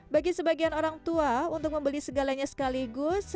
bagi sebagian orang tua untuk membeli segalanya sekaligus